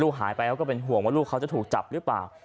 หายไปเขาก็เป็นห่วงว่าลูกเขาจะถูกจับหรือเปล่า